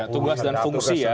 tugas dan fungsi ya